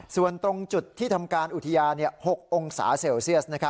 ส่วนตรงจุดที่ทำการอุทยาน๖องศาเซลเซียส